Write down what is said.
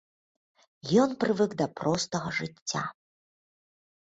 Ён прывык да простага жыцця.